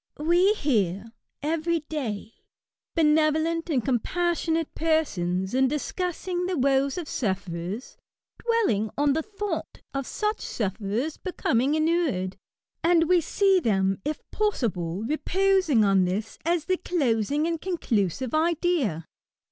We hear, every day, benevolent and compas sionate persons, in discussing the woes of sufferers^ dwelling on the thought of such sufferers becoming inured ; and we see them, if possible, reposing on this as the closing and conclusive idea.